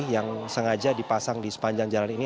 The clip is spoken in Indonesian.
yang sengaja dipasang di sepanjang jalan ini